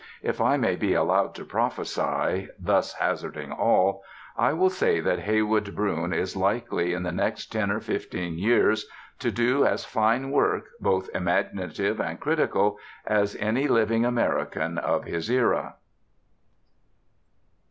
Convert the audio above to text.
If I may be allowed to prophesy, thus hazarding all, I will say that Heywood Broun is likely, in the next ten or fifteen years, to do as fine work, both imaginative and critical, as any living American of his era.